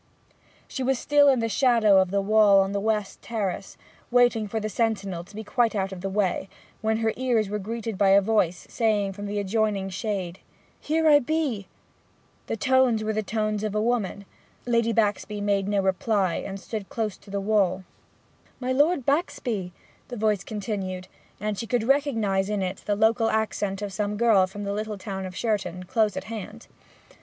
She was still in the shadow of the wall on the west terrace, waiting for the sentinel to be quite out of the way, when her ears were greeted by a voice, saying, from the adjoining shade 'Here I be!' The tones were the tones of a woman. Lady Baxby made no reply, and stood close to the wall. 'My Lord Baxby,' the voice continued; and she could recognize in it the local accent of some girl from the little town of Sherton, close at hand.